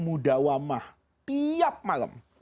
mudawamah tiap malam